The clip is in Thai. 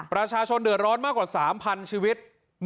ประชาชนเดือดร้อนมากกว่า๓๐๐๐ชีวิต